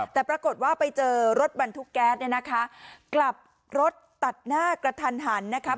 แต่ปรากฏว่าไปเจอรถบรรทุกแก๊สเนี่ยนะคะกลับรถตัดหน้ากระทันหันนะครับ